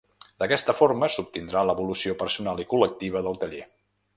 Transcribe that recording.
D'aquesta forma s'obtindrà l'evolució personal i col·lectiva del taller.